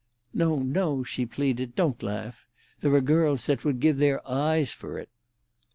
"No, no," she pleaded. "Don't laugh. There are girls that would give their eyes for it."